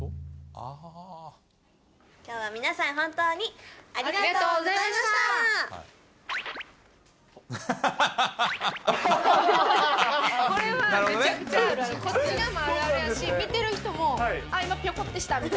きょうは皆さん本当にありがとうございました。